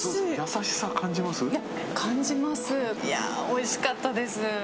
おいしかったです。